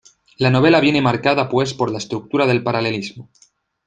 La novela viene marcada pues por la estructura del paralelismo.